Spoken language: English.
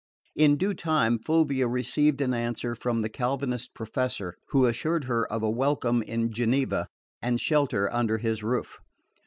In due time Fulvia received an answer from the Calvinist professor, who assured her of a welcome in Geneva and shelter under his roof.